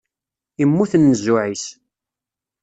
Immut nnzuɛ-is.